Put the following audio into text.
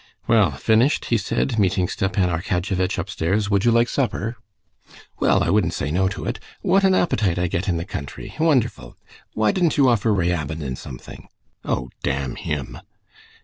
"Well, finished?" he said, meeting Stepan Arkadyevitch upstairs. "Would you like supper?" "Well, I wouldn't say no to it. What an appetite I get in the country! Wonderful! Why didn't you offer Ryabinin something?" "Oh, damn him!"